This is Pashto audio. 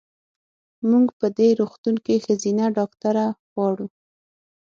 مونږ په دې روغتون کې ښځېنه ډاکټره غواړو.